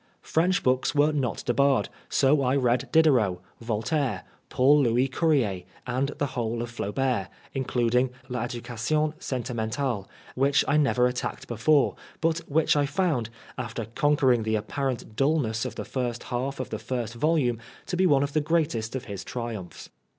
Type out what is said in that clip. French books were not debarred, so I read Diderot, Voltaire, Paul Louis Courier, and the whole of Flaubert, including " L'Edu cation Sentimentale," which I never attacked before, but which I found, after conquering the apparent dul ness of the first half of the first volume, to be one of the greatest of his triumphs.